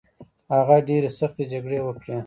هغه ډیرې سختې جګړې وکړې